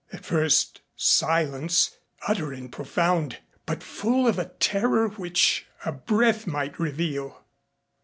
At first, silence, utter and profound, but full of a terror which a breath might reveal.